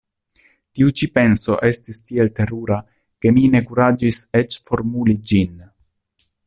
Tiu ĉi penso estis tiel terura, ke mi ne kuraĝis eĉ formuli ĝin.